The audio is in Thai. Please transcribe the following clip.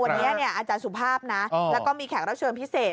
วันนี้อาจารย์สุภาพนะแล้วก็มีแขกรับเชิญพิเศษ